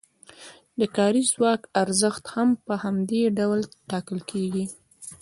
د کاري ځواک ارزښت هم په همدې ډول ټاکل کیږي.